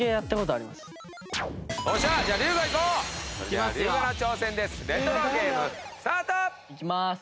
いきます。